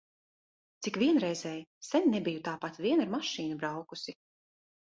Cik vienreizēji! Sen nebiju tāpat vien ar mašīnu braukusi.